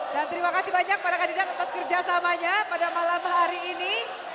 dan terima kasih banyak para kandidat atas kerjasamanya pada malam hari ini